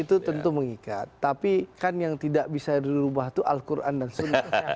itu tentu mengikat tapi kan yang tidak bisa dirubah itu al quran dan sunnah